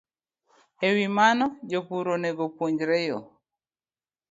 E wi mano, jopur onego opuonjre yo